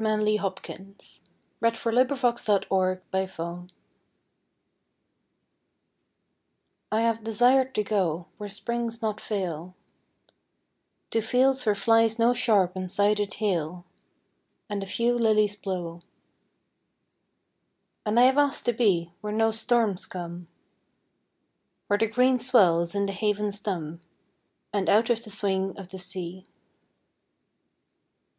5* 4? 116 R. A! HOPWOOD I HAVE DESIRED TO GO I HAVE desired to go Where springs not fail, To fields where flies no sharp and sided hail, And a few lilies blow. And I have asked to be Where no storms come, Where the green swell is in the havens dumb, And out of the swing of the sea.